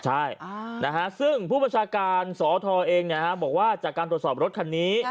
ใช่ซึ่งผู้ประชาการสอทเองบอกว่าจากการตรวจสอบรถคันนี้